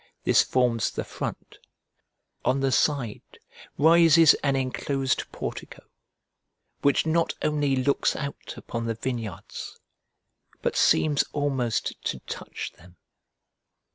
This forms the front. On the side rises an enclosed portico, which not only looks out upon the vineyards, but seems almost to touch them.